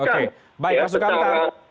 oke baik masukkan sekarang